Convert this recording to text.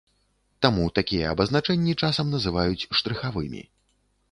Таму такія абазначэнні часам называюць штрыхавымі.